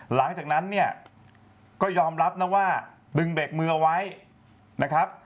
หลังจากนั้นเนี่ยก็ยอมรับนะว่าดึงเบรกมือเอาไว้นะครับ